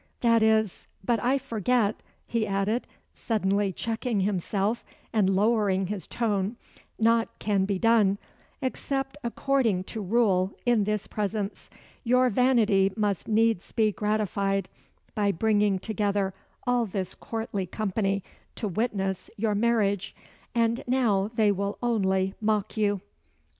That is but I forget," he added, suddenly checking himself, and lowering his tone, "naught can be done, except according to rule, in this presence. Your vanity must needs be gratified by bringing together all this courtly company to witness your marriage. And now they will only mock you."